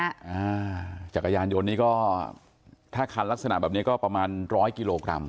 อ่าจักรยานยนต์นี้ก็ถ้าคันลักษณะแบบนี้ก็ประมาณร้อยกิโลกรัม